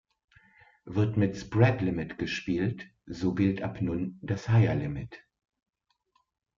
Wird mit "Spread Limit" gespielt, so gilt ab nun das "Higher Limit".